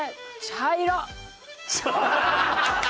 茶色！